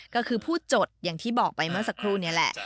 ก็คือผู้จดอย่างที่บอกไปเมื่อสักครู่นี้แหละ